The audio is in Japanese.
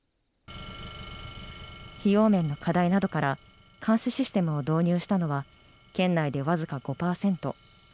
費用面の課題などから、監視システムを導入したのは、県内で僅か５％。